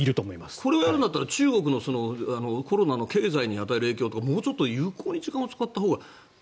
これをやるんだったら中国のコロナの経済に与える影響とかもうちょっと有効に時間を使ったほうが。